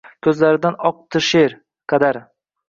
Ko’zlaridan oqdi she’r — kadar